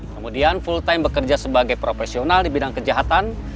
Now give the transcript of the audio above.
kemudian full time bekerja sebagai profesional di bidang kejahatan